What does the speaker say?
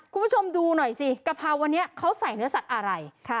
คุณผู้ชมดูหน่อยสิกะเพราวันนี้เขาใส่เนื้อสัตว์อะไร